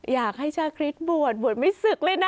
อยากให้ชาคริสบวชบวชไม่ศึกเลยนะ